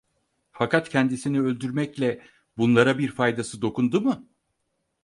Fakat kendisini öldürmekle bunlara bir faydası dokundu mu?